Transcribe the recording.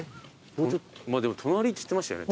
まあでも隣って言ってましたよね